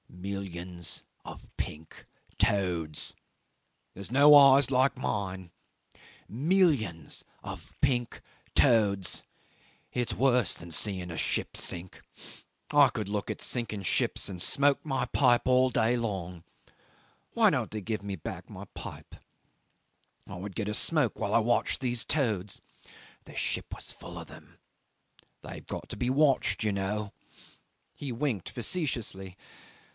"Millions of pink toads. There's no eyes like mine. Millions of pink toads. It's worse than seeing a ship sink. I could look at sinking ships and smoke my pipe all day long. Why don't they give me back my pipe? I would get a smoke while I watched these toads. The ship was full of them. They've got to be watched, you know." He winked facetiously.